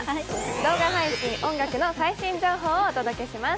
動画配信、音楽の最新情報をお届けします。